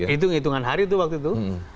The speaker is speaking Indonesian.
itu ngitungan hari itu waktu itu